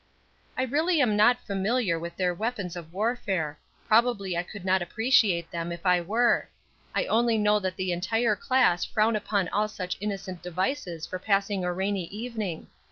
"I really am not familiar with their weapons of warfare; probably I could not appreciate them if I were; I only know that the entire class frown upon all such innocent devices for passing a rainy evening.